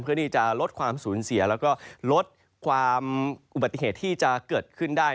เพื่อที่จะลดความสูญเสียแล้วก็ลดความอุบัติเหตุที่จะเกิดขึ้นได้